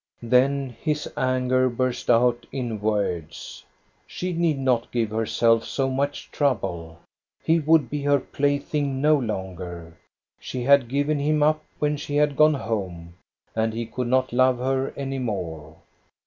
Then his anger burst out in words. She need not give herself so much trouble. He would be her plaything no longer. She had given him up when she had gone home, and he could not love her any more.